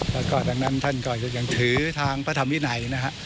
แล้วก็ดังนั้นท่านก็ยังถือทางพระธรรมวินัยนะฮะ